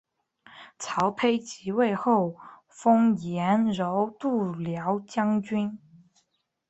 曹丕即位后封阎柔度辽将军。